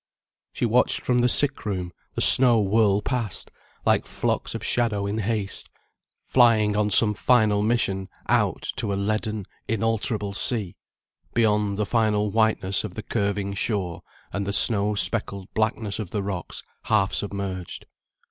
She watched from the sick room the snow whirl past, like flocks of shadows in haste, flying on some final mission out to a leaden inalterable sea, beyond the final whiteness of the curving shore, and the snow speckled blackness of the rocks half submerged.